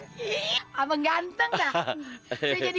iiih abang ganteng dah